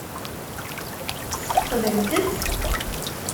Ssfeqdent-tt?